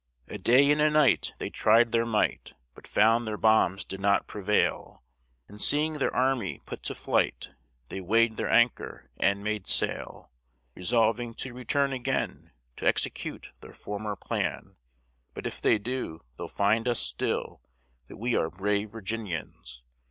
A day and a night they tried their might, But found their bombs did not prevail, And seeing their army put to flight, They weigh'd their anchor and made sail, Resolving to return again, To execute their former plan; But if they do, they'll find us still That we are brave Virginians.